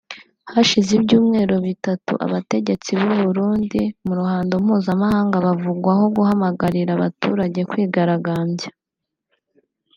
Hashize ibyumweru bitatu abategetsi b’u Burundi mu ruhando mpuzamahanga bavugwaho guhamagarira abaturage kwigaragambya